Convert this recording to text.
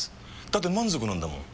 だって満足なんだもん。